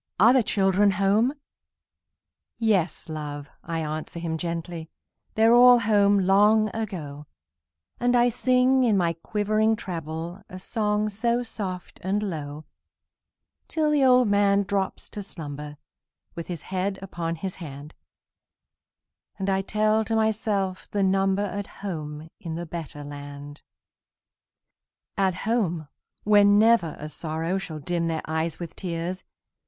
are the children home?" "Yes, love!" I answer him gently, "They're all home long ago;" And I sing, in my quivering treble, A song so soft and low, Till the old man drops to slumber, With his head upon his hand, And I tell to myself the number At home in the better land. At home, where never a sorrow Shall dim their eyes with tears!